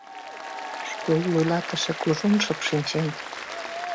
Школ вуйлатыше кужун шып шинчен.